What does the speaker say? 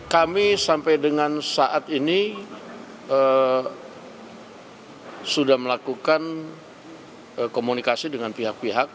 kami sampai dengan saat ini sudah melakukan komunikasi dengan pihak pihak